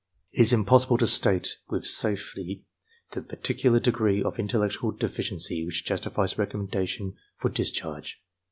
It is impossible to state with safety the particular degree of intellectual deficiency which justifies recommendation for dis charge.